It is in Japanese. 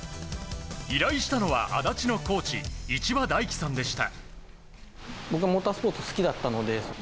依頼したのは、足立のコーチ市場大樹さんでした。